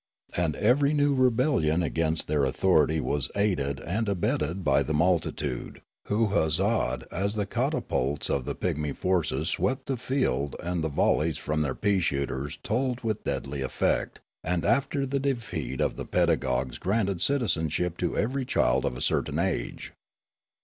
And every new rebellion against their authority w^as aided and The Voyage to Tirralaria 137 abetted by the multitude, who huzzaed as the cata pults of the pigmy forces swept the field and the vol leys from their pea shooters told with deadly effect, and after the defeat of the pedagogues granted citizenship to every child of a certain age.